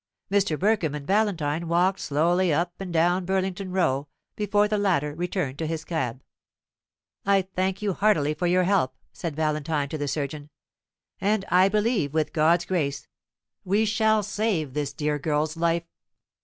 Mr. Burkham and Valentine walked slowly up and down Burlington Row before the latter returned to his cab. "I thank you heartily for your help," said Valentine to the surgeon; "and I believe, with God's grace, we shall save this dear girl's life.